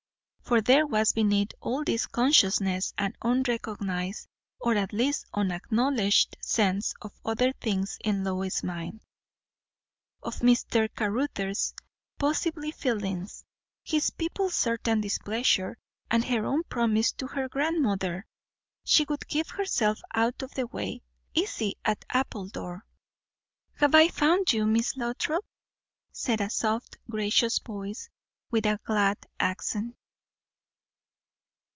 For there was beneath all this consciousness an unrecognized, or at least unacknowledged, sense of other things in Lois's mind; of Mr. Caruthers' possible feelings, his people's certain displeasure, and her own promise to her grandmother. She would keep herself out of the way; easy at Appledore "Have I found you, Miss Lothrop?" said a soft, gracious voice, with a glad accent.